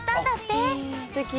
すてき。